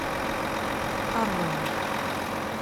Qarren-d.